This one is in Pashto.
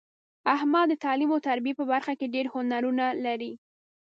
احمد د تعلیم او تربیې په برخه کې ډېر هنرونه لري.